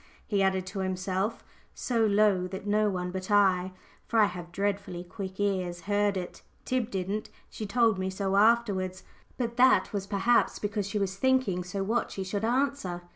he added to himself, so low that no one but I for I have dreadfully quick ears heard it. Tib didn't; she told me so afterwards, but that was perhaps because she was thinking so what she should answer.